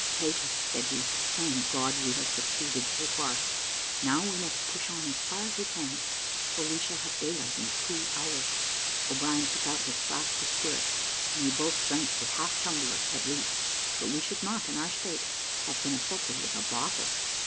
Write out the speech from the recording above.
"Peter," said he "thank God we have succeeded so far; now we must push on as far as we can, for we shall have daylight in two hours." O'Brien took out his flask of spirits, and we both drank a half tumbler at least, but we should not, in our state, have been affected with a bottle.